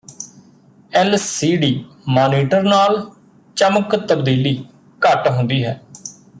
L C D monitor ਨਾਲ ਚਮਕ ਤਬਦੀਲੀ ਘੱਟ ਹੁੰਦੀ ਹੈ